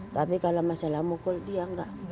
tapi kalau masalah mukul dia enggak